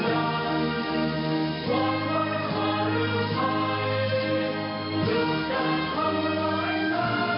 ยังจะทำร้ายใดในชายโลก